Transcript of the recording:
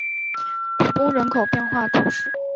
古东人口变化图示